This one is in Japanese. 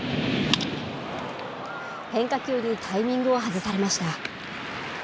変化球にタイミングを外されました。